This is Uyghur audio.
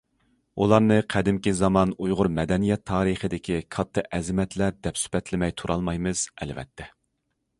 ئۇلارنى قەدىمكى زامان ئۇيغۇر مەدەنىيەت تارىخىدىكى كاتتا ئەزىمەتلەر دەپ سۈپەتلىمەي تۇرالمايمىز، ئەلۋەتتە.